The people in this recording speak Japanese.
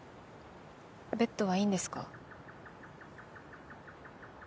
ベッドはいいんですか？